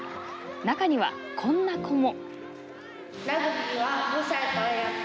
中にはこんな子も。